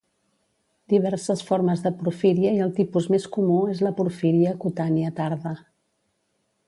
Diverses formes de porfíria i el tipus més comú és la porfíria cutània tarda